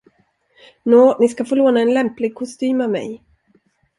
Nå, ni ska få låna en lämplig kostym av mig.